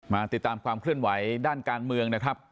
มาติดตามความเคลื่อนไหวด้านการเมืองนะครับ